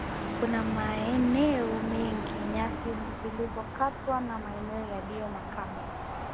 Kuna maeneo mengi nyasi zilikokatwa na maeneo yaliyo makame